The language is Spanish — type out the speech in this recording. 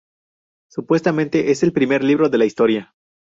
Supuestamente es el primer libro de la historia.